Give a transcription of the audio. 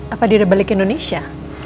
apa dia udah balik ke indonesia